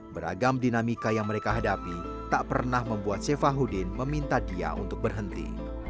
beragam dinamika yang mereka hadapi tak pernah membuat c hafudin meminta diah untuk berhenti